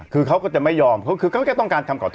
คือเขาก็จะไม่ยอมคือเขาแค่ต้องการคำขอโทษ